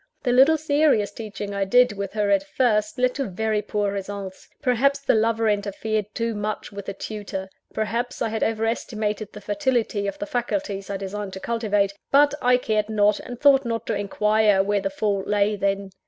The little serious teaching I tried with her at first, led to very poor results. Perhaps, the lover interfered too much with the tutor; perhaps, I had over estimated the fertility of the faculties I designed to cultivate but I cared not, and thought not to inquire where the fault lay, then.